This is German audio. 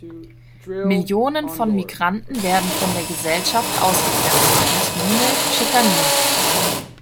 Millionen von Migranten werden von der Gesellschaft ausgegrenzt, Muslime schikaniert.